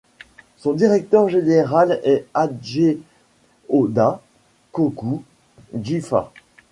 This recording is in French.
Son directeur général est Adjéoda Kokou Djifa.